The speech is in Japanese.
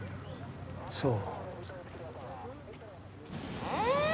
そう。